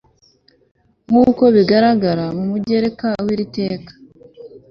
nk uko bigaragara mu mugereka w iri teka